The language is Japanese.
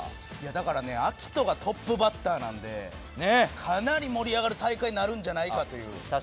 だからねアキトがトップバッターなんでかなり盛り上がる大会になるんじゃないかという。